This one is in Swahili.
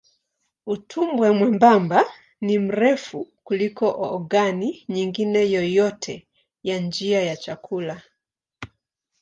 Utumbo mwembamba ni mrefu kuliko ogani nyingine yoyote ya njia ya chakula.